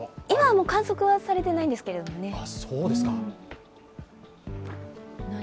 今はもう観測はされていないんですけどね。